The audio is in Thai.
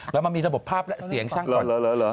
แล้วมันมีระบบภาพและเสียงช่างก่อน